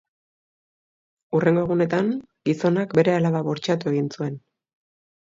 Hurrengo egunetan, gizonak bere alaba bortxatu egin zuen.